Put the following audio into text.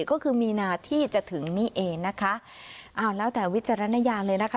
ก็คือมีนาที่จะถึงนี่เองนะคะอ้าวแล้วแต่วิจารณญาณเลยนะคะ